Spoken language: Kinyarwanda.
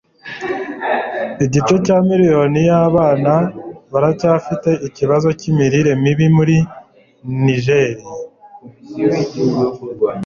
Igice cya miriyoni y'abana baracyafite ikibazo cyimirire mibi muri Niger